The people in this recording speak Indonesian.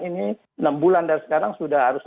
ini enam bulan dan sekarang sudah harus